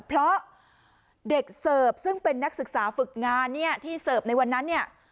เพราะเด็กเสิร์ฟซึ่งเป็นนักศึกษาฝึกงานเนี่ยที่เสิร์ฟในวันนั้นเนี่ย